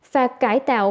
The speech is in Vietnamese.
phạt cải tạo